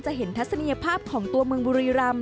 เห็นทัศนียภาพของตัวเมืองบุรีรำ